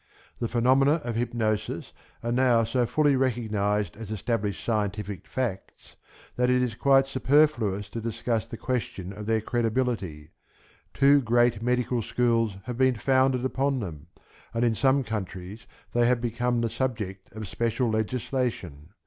The phenomena of hypnosis are now so fully recognized as established scientific facts that it is quite superfluous to discuss the question of their credibility. Two great medical schools have been founded upon them, and in some countries they have become the subject of special legislation.